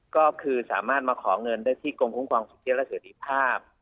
ก็คือสามารถมาขอเงินได้ที่กรงคุ้มความสุขเยี่ยมและเผื่อดีภาพ